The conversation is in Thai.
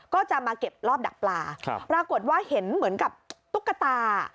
ก็จะมาเก็บรอบดักปลาปรากฏว่าเห็นเหมือนกับตุ๊กตา